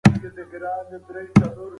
چې د پي اېچ ډي کورس ورک مې مکمل شوے